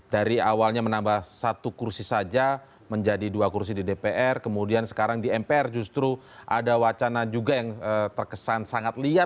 dari awalnya menambah satu kursi saja menjadi dua kursi di dpr kemudian sekarang di mpr justru ada wacana juga yang terkesan sangat liar